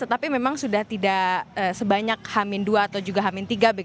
tetapi memang sudah tidak sebanyak hamin dua atau juga hamin tiga